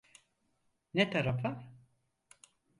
Ne tarafa?